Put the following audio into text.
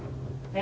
え？